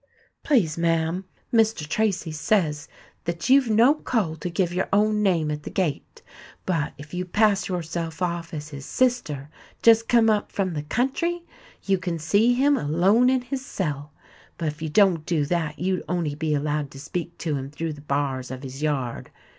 "Please, ma'am, Mr. Tracy says that you've no call to give your own name at the gate; but if you pass yourself off as his sister, just come up from the country, you can see him alone in his cell. But if you don't do that you'd on'y be allowed to speak to him through the bars of his yard.